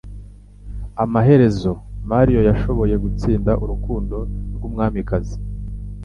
Amaherezo, Mario yashoboye gutsinda urukundo rwumwamikazi.